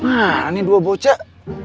nah ini dua bocah